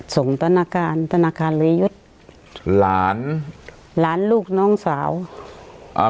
ส่งธนการธนการละยุทธหลานหลานลูกน้องสาวอ่า